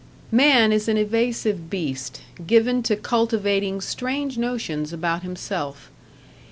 Man is an evasive beast, given to cultivating strange notions about himself.